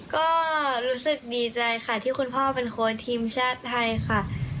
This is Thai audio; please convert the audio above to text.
ก็รู้สึกดีใจค่ะที่คุณพ่อเป็นโค้ชทีมชาติไทยค่ะ